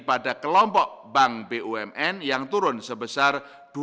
pada kelompok bank bumn yang turun sebesar